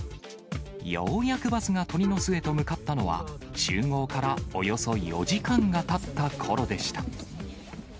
ようやくバスが鳥の巣へと向かったのは、集合からおよそ４時間がたったころでした。